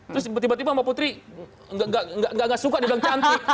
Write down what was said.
terus tiba tiba mbak putri tidak suka di dalam cantik